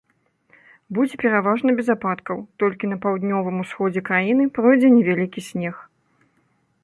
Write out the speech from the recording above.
Будзе пераважна без ападкаў, толькі на паўднёвым усходзе краіны пройдзе невялікі снег.